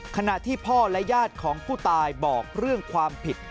ขณะที่พ่อและญาติของผู้ตายบอกเรื่องความผิด